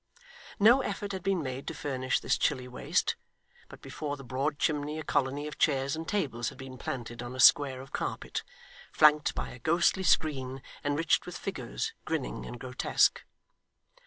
No effort had been made to furnish this chilly waste, but before the broad chimney a colony of chairs and tables had been planted on a square of carpet, flanked by a ghostly screen, enriched with figures, grinning and grotesque.